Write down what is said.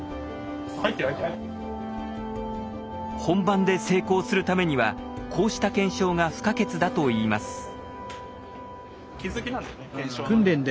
本番で成功するためにはこうした検証が不可欠だといいます。